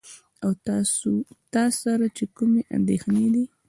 او تاسره چې کومې اندېښنې دي .